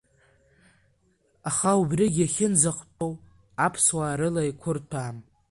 Аха убригьы иахьынӡахәҭоу аԥсуаа рыла иқәырҭәаам.